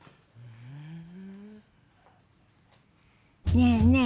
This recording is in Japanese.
ねえねえ